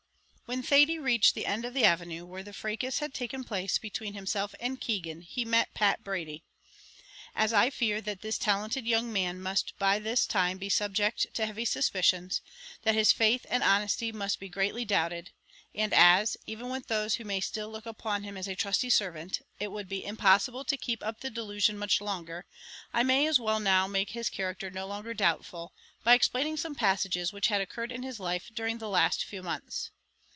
When Thady reached the end of the avenue, where the fracas had taken place between himself and Keegan, he met Pat Brady. As I fear that this talented young man must by this time be subject to heavy suspicions; that his faith and honesty must be greatly doubted; and as, even with those who may still look upon him as a trusty servant, it would be impossible to keep up the delusion much longer, I may as well now make his character no longer doubtful, by explaining some passages which had occurred in his life during the last few months.